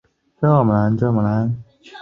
在它的炮塔上多出了一根天线。